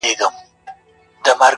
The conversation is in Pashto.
مه کوه په ما، چي و به سي په تا.